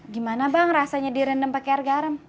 gimana bang rasanya direndam pakai air garam